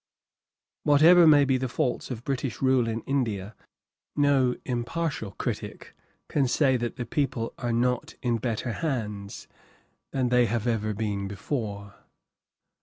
Whatever may be the faults of British rule in India, no impartial critic can say that the people are not in better hands than they have ever been before.